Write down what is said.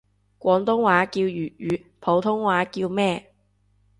廣東話叫粵語，普通話叫咩？